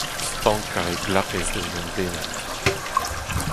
stankañ e glapez da unan bennak